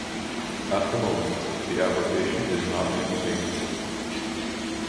At the moment the application is not maintained.